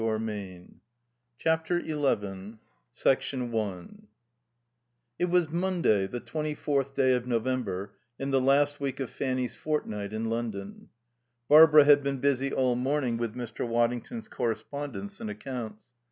Of all the jerky eccentric incoherent " XI 1 It was Monday, the twenty fourth day of November, in the last week of Fanny's fortnight in London. Barbara had been busy all morning with Mr. Waddington's correspondence and accounts.